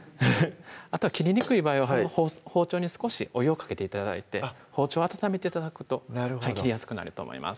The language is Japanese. あとは切りにくい場合は包丁に少しお湯をかけて頂いて包丁を温めて頂くと切りやすくなると思います